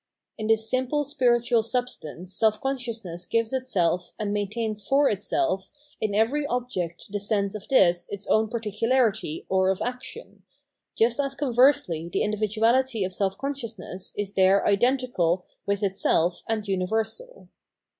In this simple spiritual substance self consciousness gives itself and maintains for itself in every object the sense of this its own particularity or of action, just as conversely the individuahty of self consciousness is there identical with itself and universal.